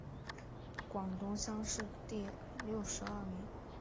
广东乡试第六十二名。